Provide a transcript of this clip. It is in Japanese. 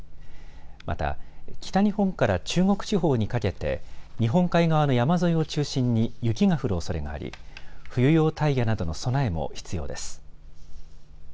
また北日本から中国地方にかけて日本海側の山沿いを中心に雪が降るおそれがあり冬用タイヤなどの備えも必要です。